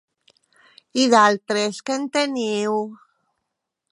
I d'altres, que en teniu?